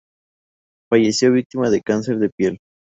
Falleció víctima de cáncer de piel.